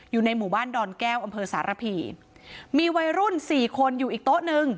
อยู่ในหมู่บ้านดอนแก้วอำเภอสารพีมีวัยรุ่นสี่คนอยู่อีกโต๊ะหนึ่ง